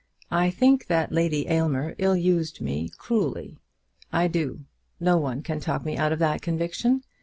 I think that Lady Aylmer ill used me cruelly. I do. No one can talk me out of that conviction.